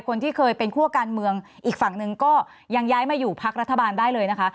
คนที่เคยเป็นคั่วการเมืองอีกฝั่งหนึ่งก็ยังย้ายมาอยู่พักรัฐบาลได้เลยนะคะ